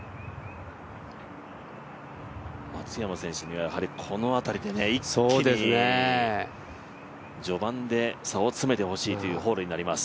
松山選手にはこの辺りで一気に序盤で差を詰めてほしいというホールになります。